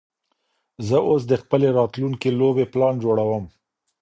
زه اوس د خپلې راتلونکې لوبې پلان جوړوم.